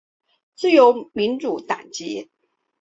自由民主党籍。